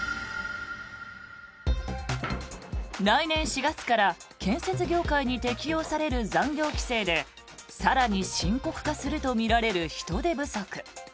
来年４月から建設業界に適用される残業規制で更に深刻化するとみられる人手不足。